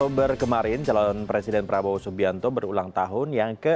oktober kemarin calon presiden prabowo subianto berulang tahun yang ke tujuh puluh